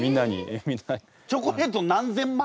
チョコレートを何千枚？